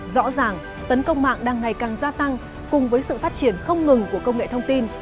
rõ ràng tấn công mạng đang ngày càng gia tăng cùng với sự phát triển không ngừng của công nghệ thông tin